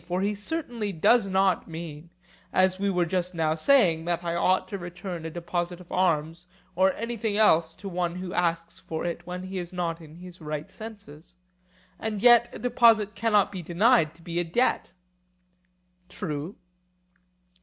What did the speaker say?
For he certainly does not mean, as we were just now saying, that I ought to return a deposit of arms or of anything else to one who asks for it when he is not in his right senses; and yet a deposit cannot be denied to be a debt. True.